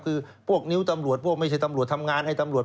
คือพวกนิ้วตำรวจพวกไม่ใช่ตำรวจทำงานให้ตำรวจ